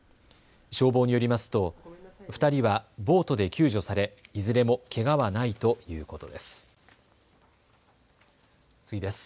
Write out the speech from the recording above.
消防によりますと２人はボートで救助されいずれもけがはないということです。